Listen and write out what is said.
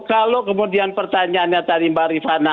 kalau kemudian pertanyaannya tadi mbak rifana